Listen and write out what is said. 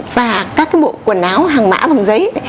và các cái bộ quần áo hàng mã bằng giấy